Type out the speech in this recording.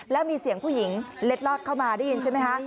แล้วมีเสียงผู้หญิงเล็ดลอดเข้ามาได้ยินใช่ไหมคะ